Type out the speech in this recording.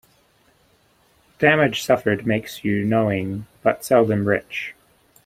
Damage suffered makes you knowing, but seldom rich.